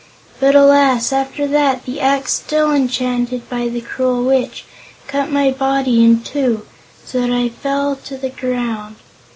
But, alas! after that, the axe, still enchanted by the cruel Witch, cut my body in two, so that I fell to the ground.